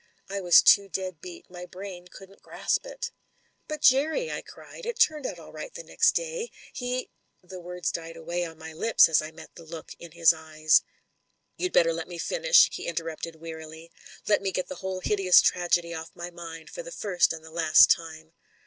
I was too dead beat ; my brain cotddn't grasp it." "But, Jerry," I cried, "it turned out all right the ii6 MEN, WOMEN AND GUNS next day ; he .•." The words died away on my lips as I met the look in his eyes. "You'd better let me finish/' he interrupted wearily. "Let me get the whole hideous tragedy off my mind for the first and the last time.